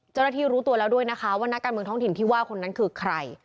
เจ้าหน้าที่รู้ตัวแล้วด้วยนะคะว่านักการเมืองท้องถิ่นที่ว่าคนนั้นคือใคร